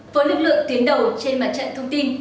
với lực lượng tiến đầu trên mặt trận thông tin